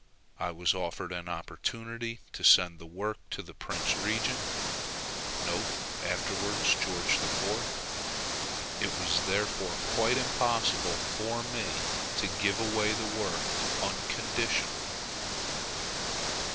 I was offered an opportunity to send the work to the Prince Regent, [afterwards George IV.] It was therefore quite impossible for me to give away the work unconditionally.